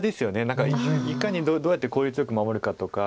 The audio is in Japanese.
何かいかにどうやって効率よく守るとか。